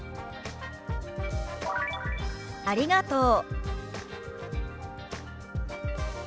「ありがとう」。